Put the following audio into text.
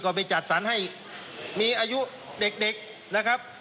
ก็ไปจัดสรรให้มีอายุเด็กนะครับ